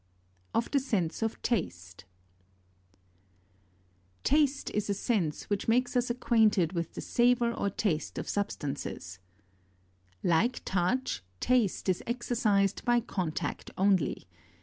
OF THE SENSE OF TASTE. 19. Taste is a sense which makes us acquainted with the savor or taste of substances 20. Like touch, taste is exercised by contact only.